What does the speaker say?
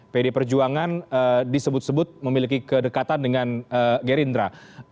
pdi perjuangan disebut sebut memiliki kedekatan dengan gerindra